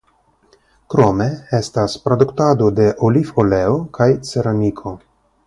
Krome estas produktado de olivoleo kaj ceramiko.